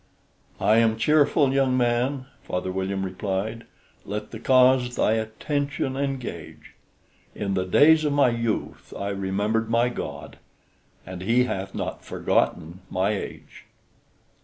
"I am cheerful, young man," Father William replied; "Let the cause thy attention engage: In the days of my youth I remembered my God; And he hath not forgotten my age."